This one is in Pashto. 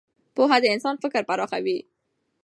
پوهه د انسان فکر پراخوي.